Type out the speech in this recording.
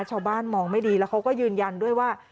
ชาวบ้านมองไม่ดีแล้วเขาก็ยืนยันด้วยว่า